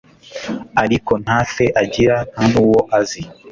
ariko nta se agira ntanuwo azi